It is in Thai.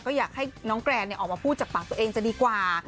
ก็อยากให้น้องแกรนออกมาพูดจากปากตัวเองจะดีกว่า